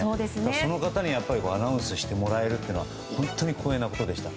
その方にアナウンスしてもらえるっていうのは本当に光栄なことでした。